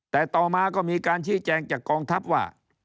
แต่ต่อมาก็มีการชี้แจงจากกองทัพว่า